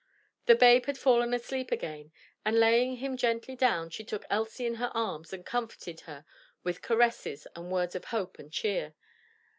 The babe had fallen asleep again, and laying him gently down, she took Elsie in her arms and comforted her with caresses and words of hope and cheer.